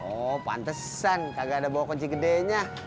oh pantesan kagak ada bawa kunci gedenya